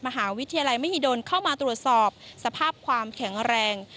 ไม่ได้เข้ามาตรวจสอบสภาพความแข็งแรง